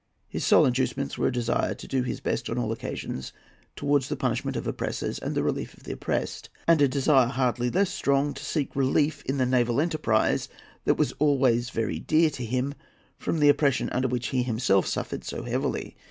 His sole inducements were a desire to do his best on all occasions towards the punishment of oppressors and the relief of the oppressed, and a desire, hardly less strong, to seek relief in the naval enterprise that was always very dear to him from the oppression under which he himself suffered so heavily.